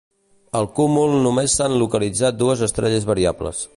Al cúmul només s'han localitzat dues estrelles variables.